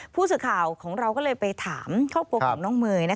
ผู้สื่อข่าวของเราก็เลยไปถามครอบครัวของน้องเมย์